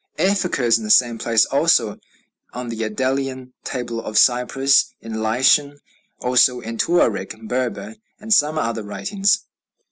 F occurs in the same place also on the Idalian tablet of Cyprus, in Lycian, also in Tuarik (Berber), and some other writings."